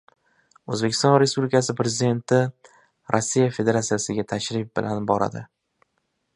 O‘zbekiston Respublikasi Prezidenti Rossiya Federatsiyasiga tashrif bilan boradi